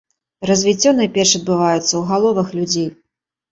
Развіццё найперш адбываецца ў галовах людзей.